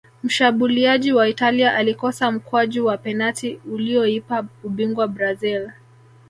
mshabuliaji wa italia alikosa mkwaju wa penati ulioipa ubingwa brazil